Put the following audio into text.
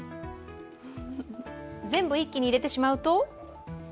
全部一気に入れてしまうと？